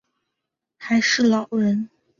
还是老人